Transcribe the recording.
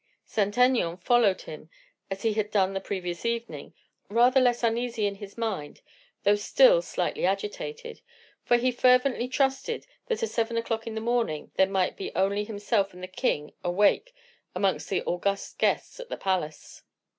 Saint Aignan followed him as he had done the previous evening, rather less uneasy in his mind, though still slightly agitated, for he fervently trusted that at seven o'clock in the morning there might be only himself and the king awake amongst the august guests at the palace.